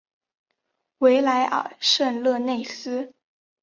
维莱尔圣热内斯。